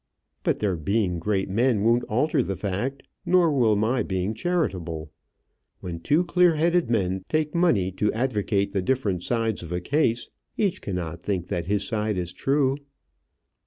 "But their being great men won't alter the fact; nor will my being charitable. When two clear headed men take money to advocate the different sides of a case, each cannot think that his side is true."